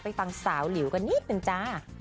ฟังสาวหลิวกันนิดนึงจ้า